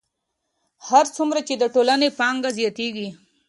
هر څومره چې د ټولنې پانګه زیاتېږي